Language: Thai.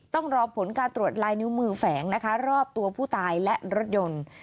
ต้องรอผลการตรวจลายนิ้วมือแฝงนะคะรอบตัวผู้ตายและรถยนต์